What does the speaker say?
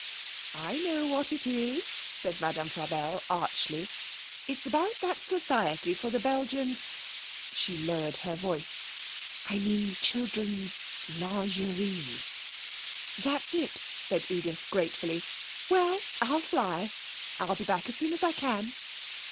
'I know what it is,' said Madame Frabelle archly. 'It's about that Society for the Belgians,' she lowered her voice 'I mean the children's lingerie!' 'That's it,' said Edith gratefully. 'Well, I'll fly and be back as soon as I can.'